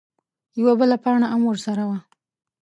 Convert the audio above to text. _يوه بله پاڼه ام ورسره وه.